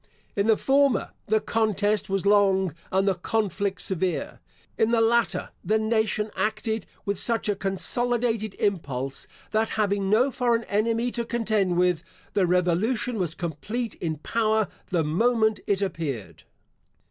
In the former, the contest was long, and the conflict severe; in the latter, the nation acted with such a consolidated impulse, that having no foreign enemy to contend with, the revolution was complete in power the moment it appeared.